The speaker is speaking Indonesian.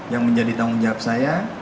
yang menjadi tanggung jawab saya